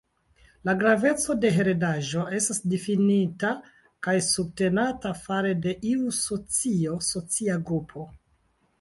La graveco de heredaĵo estas difinita kaj subtenata fare de iu socio, socia grupo.